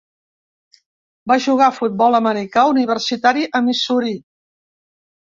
Va jugar a futbol americà universitari a Missouri.